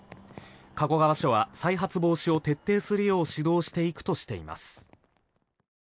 加古川署は再発防止を徹底するよう指導していくとしています。